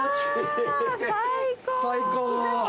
最高！